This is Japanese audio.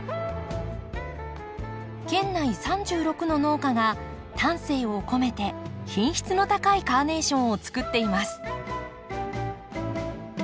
県内３６の農家が丹精を込めて品質の高いカーネーションをつくっています。